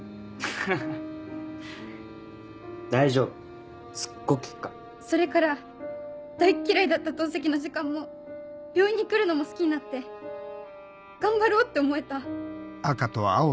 ハハハ大丈夫すっごく効くからそれから大っ嫌いだった透析の時間も病院に来るのも好きになって頑張ろうって思えた。